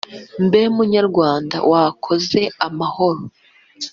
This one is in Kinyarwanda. mbe munyarwanda wakoze amahano